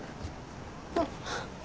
あっ。